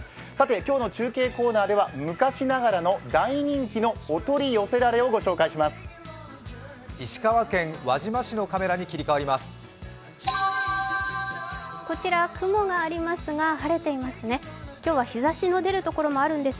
今日の中継コーナーでは昔ながらの大人気のお取り寄せられをご紹介します。